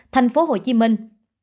thành phố hồ chí minh